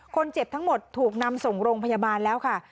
คนเจ็บทั้งหมดถูกนำส่งโรงพยาบาลแล้วค่ะ